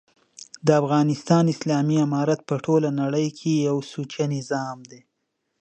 دافغانستان اسلامي امارت په ټوله نړۍ کي یو سوچه نظام دی